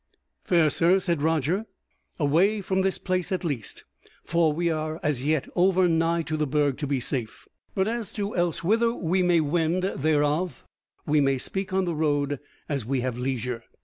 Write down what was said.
"Fair sir," said Roger, "away from this place at least; for we are as yet over nigh to the Burg to be safe: but as to elsewhither we may wend, thereof we may speak on the road as we have leisure."